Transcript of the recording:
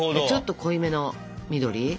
ちょっと濃いめの緑？